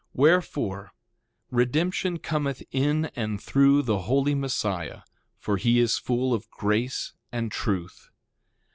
2:6 Wherefore, redemption cometh in and through the Holy Messiah; for he is full of grace and truth.